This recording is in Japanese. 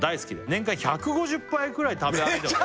「年間１５０杯くらい食べ歩いてます」